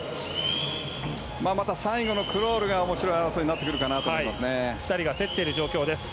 また最後のクロールが面白い争いになってくるかなと思いますね。